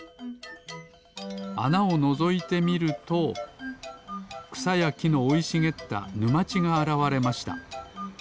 あなをのぞいてみるとくさやきのおいしげったぬまちがあらわれました。